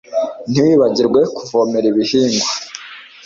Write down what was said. Ntiwibagirwe kuvomera ibihingwa